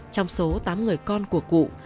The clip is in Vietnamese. trong số tám người con của cụ